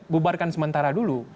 bubarkan sementara dulu